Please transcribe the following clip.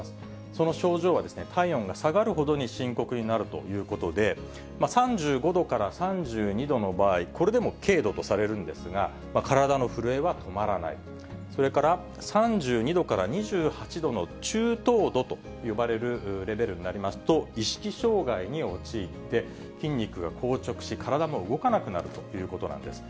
その症状は、体温が下がるほどに深刻になるということで、３５度から３２度の場合、これでも軽度とされるんですが、体の震えは止まらない、それから３２度から２８度の中等度と呼ばれるレベルになりますと、意識障害に陥って、筋肉が硬直し、体も動かなくなるということなんです。